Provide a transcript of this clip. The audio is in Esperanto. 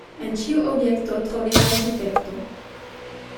En ĉiu objekto troviĝas difekto.